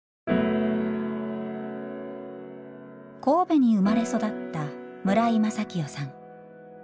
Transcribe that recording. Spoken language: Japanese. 神戸に生まれ育った村井雅清さん。